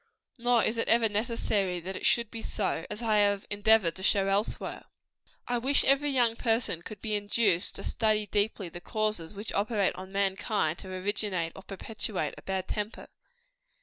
Nor is it ever necessary that it should be so, as I have endeavored to show elsewhere. I wish every young person could be induced to study deeply the causes which operate on mankind to originate or perpetuate a bad temper.